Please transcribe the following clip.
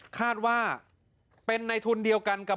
คาดว่าเป็นในทุนเดียวกันกับ